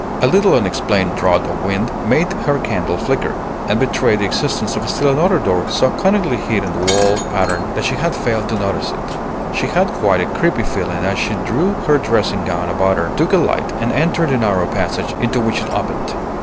A little unexplained draught of wind made her candle flicker, and betrayed the existence of still another door so cunningly hid in the wall pattern that she had failed to notice it. She had quite a creepy feeling as she drew her dressing gown about her, took a light, and entered the narrow passage into which it opened.